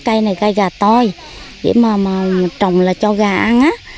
cây này cây gà toi trồng là cho gà ăn á